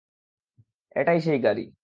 এটাই সেই গাড়ি।